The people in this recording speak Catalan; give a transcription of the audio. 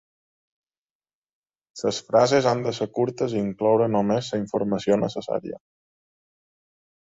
Les frases han de ser curtes i incloure només la informació necessària.